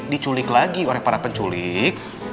diculik lagi oleh para penculik